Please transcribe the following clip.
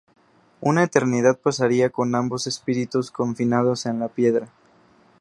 Una eternidad pasaría con ambos Espíritus confinados en la piedra.